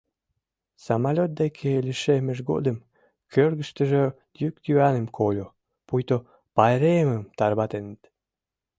Самолёт деке лишеммыж годым кӧргыштыжӧ йӱк-йӱаным кольо, пуйто пайремым тарватеныт.